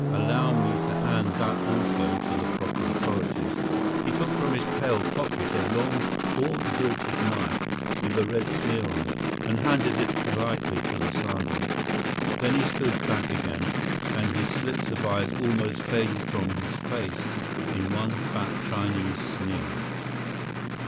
Allow me to hand that also to the proper authorities." He took from his tail pocket a long horn hilted knife with a red smear on it, and handed it politely to the sergeant. Then he stood back again, and his slits of eyes almost faded from his face in one fat Chinese sneer.